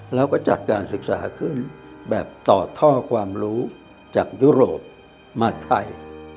แล้วก็จัดการศึกษาขึ้นแบบต่อท่อความรู้จากยุโรปมาไทย